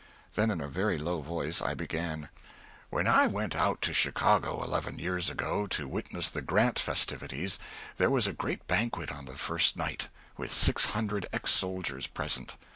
Then in a very low voice I began: "When I went out to Chicago, eleven years ago, to witness the Grant festivities, there was a great banquet on the first night, with six hundred ex soldiers present.